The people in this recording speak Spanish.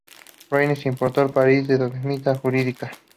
Reyes importó al país la dogmática jurídica.